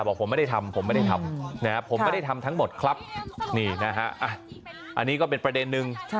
บอกผมไม่ได้ทำผมไม่ได้ทำผมไม่ได้ทำทั้งหมดครับนี่นะฮะอันนี้ก็เป็นประเด็นนึง